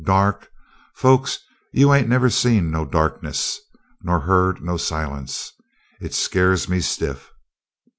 Dark! Folks, you ain't never seen no darkness, nor heard no silence. It scared me stiff!"